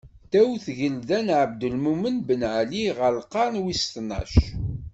Ddaw tgelda n Ɛebdelmumen Ben Ɛli ɣer lqern wis tnac.